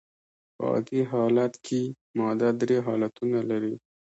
په عادي حالت کي ماده درې حالتونه لري.